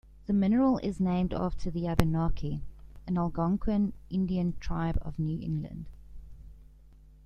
The mineral is named after the Abenaki, an Algonquian Indian tribe of New England.